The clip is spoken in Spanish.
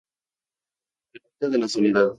Ermita de la Soledad.